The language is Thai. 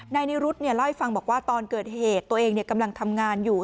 นิรุธเล่าให้ฟังบอกว่าตอนเกิดเหตุตัวเองกำลังทำงานอยู่